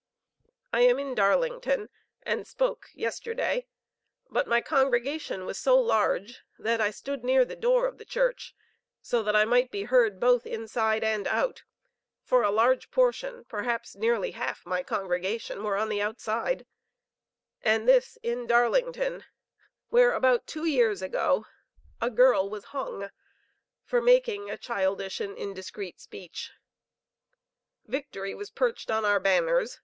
I am in Darlington, and spoke yesterday, but my congregation was so large, that I stood near the door of the church, so that I might be heard both inside and out, for a large portion, perhaps nearly half my congregation were on the outside; and this, in Darlington, where, about two years ago, a girl was hung for making a childish and indiscreet speech. Victory was perched on our banners.